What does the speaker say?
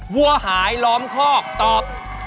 วัวหายล้อมคอกตอบ